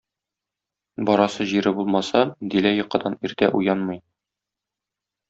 Барасы җире булмаса, Дилә йокыдан иртә уянмый.